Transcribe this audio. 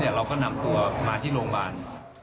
เราก็นำตัวมาที่โรงพยาบาล